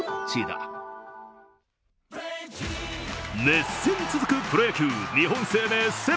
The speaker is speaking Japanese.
熱戦続くプロ野球、日本生命セ